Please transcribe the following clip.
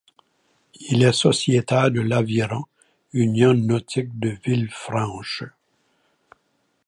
Il est sociétaire de l'Aviron Union Nautique de Villefranche.